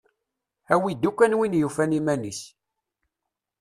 Awi-d ukkan win yufan iman-is.